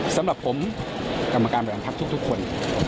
สำหรับผมกรรมการบริหารพักทุกคน